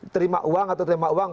terima uang atau terima uang